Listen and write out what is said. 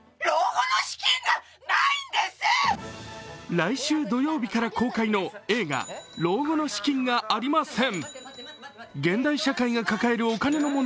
来週土曜日から公開の映画「老後の資金がありません！」。